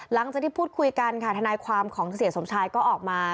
หลังจากที่พูดคุยกันค่ะทนายความของเสียสมชายก็ออกมา